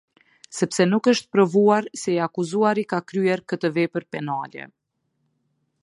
Sepse nuk është provuar se i akuzuari ka kryer këtë vepër penale.